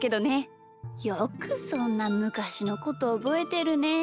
よくそんなむかしのことおぼえてるねえ。